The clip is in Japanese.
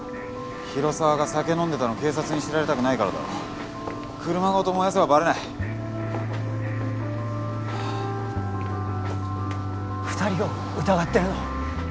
広沢が酒飲んでたの警察に知られたくないからだろ車ごと燃やせばバレない二人を疑ってるの？